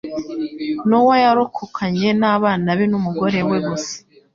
nowa yarokokanye nabana be numugorewe gusa